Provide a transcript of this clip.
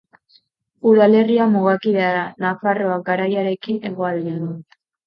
Udalerria mugakidea da Nafarroa Garaiarekin hegoaldean.